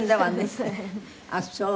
ああそう。